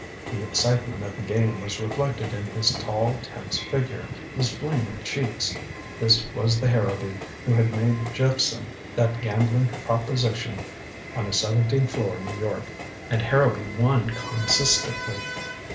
The excitement of the game was reflected in his tall tense figure, his flaming cheeks. This was the Harrowby who had made Jephson that gambling proposition on a seventeenth floor in New York. And Harrowby won consistently.